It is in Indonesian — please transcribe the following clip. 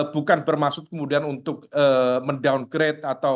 bukan bermaksud kemudian untuk mendowngrade atau